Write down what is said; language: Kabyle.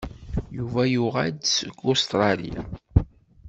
Yuba yuɣal-d seg Ustṛalya.